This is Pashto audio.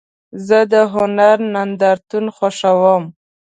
زه د هنر نندارتون خوښوم.